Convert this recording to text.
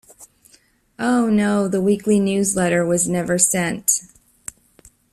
Oh no, the weekly newsletter was never sent!